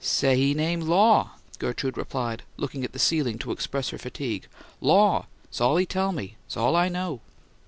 "Say he name Law," Gertrude replied, looking at the ceiling to express her fatigue. "Law. 'S all he tell me; 's all I know."